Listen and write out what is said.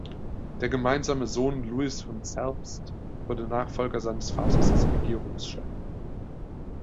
Der gemeinsame Sohn Louis von Zerbst wurde Nachfolger seines Vaters als Regierungschef.